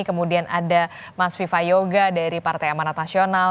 kemudian ada mas viva yoga dari partai amanat nasional